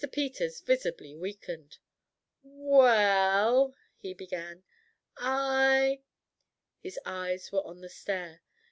Peters visibly weakened. "Well " he began. "I " His eyes were on the stair.